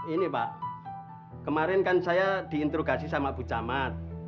ini pak kemarin kan saya diinterogasi sama bu camat